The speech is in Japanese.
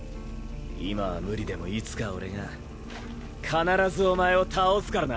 今は無理でもいつか俺が必ずお前を倒すからな。